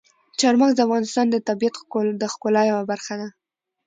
چار مغز د افغانستان د طبیعت د ښکلا یوه برخه ده.